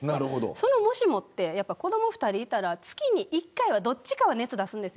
そのもしもは子どもが２人いたら月に１回はどちらかが熱を出すんです。